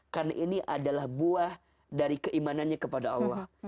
karena ini adalah buah dari keimanannya kepada allah